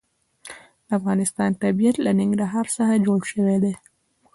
د افغانستان طبیعت له ننګرهار څخه جوړ شوی دی.